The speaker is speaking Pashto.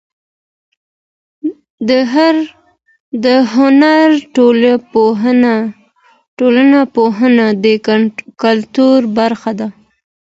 د هنر ټولنپوهنه د کلتور برخه ده.